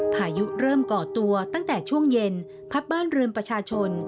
พายุเริ่มก่อตัวตั้งแต่ช่วงเย็นพัดบ้านเรือนประชาชน